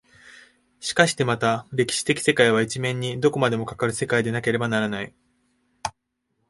しかしてまた歴史的世界は一面にどこまでもかかる世界でなければならない。